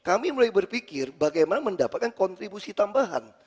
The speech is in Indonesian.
kami mulai berpikir bagaimana mendapatkan kontribusi tambahan